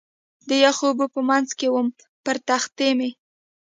د یخو اوبو په منځ کې ووم، پر تختې مې.